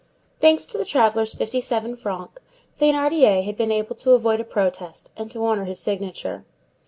Thanks to the traveller's fifty seven francs, Thénardier had been able to avoid a protest and to honor his signature.